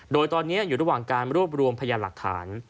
โดยตอนนี้อยู่ระหว่างการรวบรวมพยานหลักฐาน